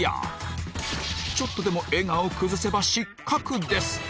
ちょっとでも笑顔を崩せば失格です